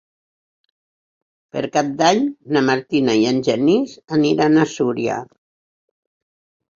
Per Cap d'Any na Martina i en Genís aniran a Súria.